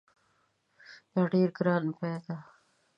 دا ډېر ګران بیه دی